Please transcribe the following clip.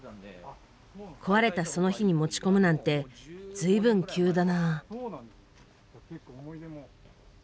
壊れたその日に持ち込むなんて随分急だなぁ。